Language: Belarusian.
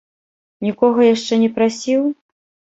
Нікога яшчэ не прасіў?